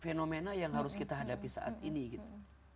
fenomena yang harus kita hadapi saat ini gitu